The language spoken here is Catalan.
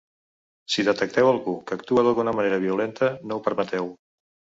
Si detecteu algú que actua d'alguna manera violenta, no ho permeteu.